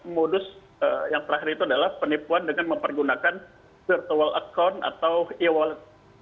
modus yang terakhir itu adalah penipuan dengan mempergunakan virtual account atau e wallet